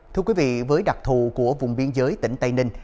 thưa quý vị với đặc thù của vùng biên giới tỉnh tây ninh